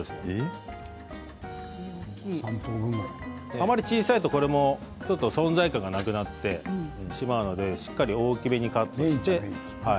あまり小さいと、これも存在感がなくなってしまうのでしっかり大きめにカットして。